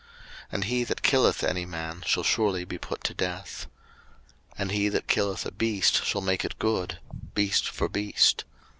03:024:017 And he that killeth any man shall surely be put to death. 03:024:018 And he that killeth a beast shall make it good; beast for beast.